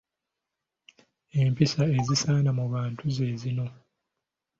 Empisa ezisaana mu bantu ze zino.